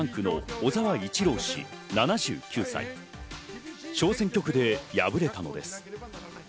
小選挙区で敗れたのです。